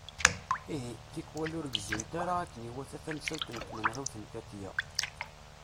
Ihi, tikwal ur gezzunt ara akken iwata tamsalt n tmenɣiwt n Katiya.